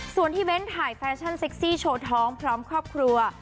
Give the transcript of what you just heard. ส่วนที่เว้นถ่ายแฟชั่นเซ็กซี่โชว์ท้องพร้อมครอบครัว